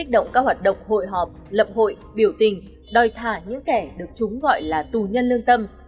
do hoạt động hội họp lập hội biểu tình đòi thả những kẻ được chúng gọi là tù nhân lương tâm